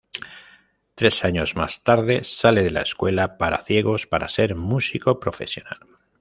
Tres años más tarde, sale de la escuela para ciegos para ser músico profesional.